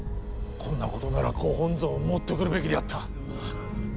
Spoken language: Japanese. こんなことならご本尊を持ってくるべきであった。